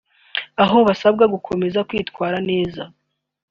aho basabwe gukoza kwitwara neza